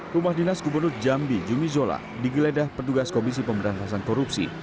rumah dinas gubernur jambi jumizola digeledah petugas komisi pemberantasan korupsi